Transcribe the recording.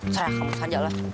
serah kamu saja lah